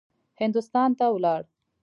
هندوستان ته ولاړ.